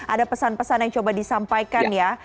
ada pesan pesan yang coba disampaikan ya